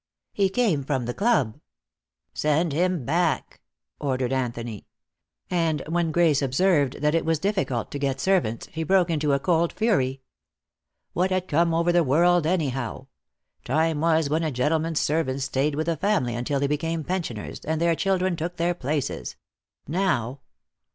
"He came from the club." "Send him back," ordered Anthony. And when Grace observed that it was difficult to get servants, he broke into a cold fury. What had come over the world, anyhow? Time was when a gentleman's servants stayed with the family until they became pensioners, and their children took their places. Now